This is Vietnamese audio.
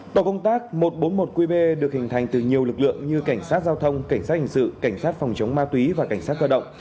tổ công tác một trăm bốn mươi một qb được hình thành từ nhiều lực lượng như cảnh sát giao thông cảnh sát hình sự cảnh sát phòng chống ma túy và cảnh sát cơ động